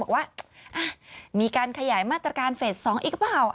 ว่ามีการขยายมาตรการเฟส๒อีกหรือเปล่า